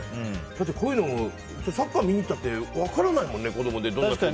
だって、こういうのサッカーを見に行ったって分からないもんね子供って。